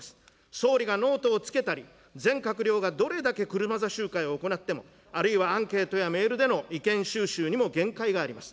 総理がノートをつけたり、全閣僚がどれだけ車座集会を行っても、あるいはアンケートやメールでの意見収集にも限界があります。